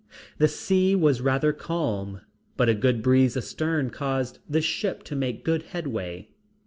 The sea was rather calm but a good breeze astern caused the ship to make good headway.